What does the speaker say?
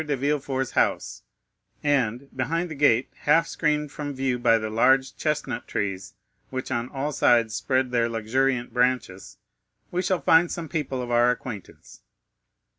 de Villefort's house, and, behind the gate, half screened from view by the large chestnut trees, which on all sides spread their luxuriant branches, we shall find some people of our acquaintance.